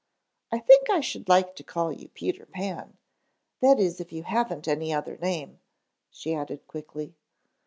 I think I should like to call you Peter Pan; that is if you haven't any other name," she added quickly.